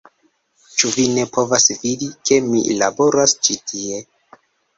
Ĉu vi ne povas vidi, ke mi laboras ĉi tie